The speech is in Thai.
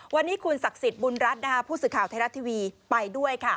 วันนี้คุณศักดิ์สิทธิ์บุญรัฐผู้สื่อข่าวไทยรัฐทีวีไปด้วยค่ะ